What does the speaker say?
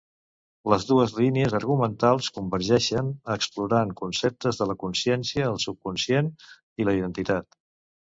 Les dues línies argumentals convergeixen, explorant conceptes de la consciència, el subconscient i la identitat.